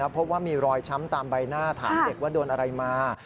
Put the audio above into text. พบว่ามีรอยช้ำตามใบหน้าถามเด็กว่าโดนอะไรมา